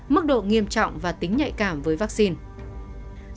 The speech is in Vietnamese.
mức độ nghiêm trọng và tính nhạy cảm với vaccine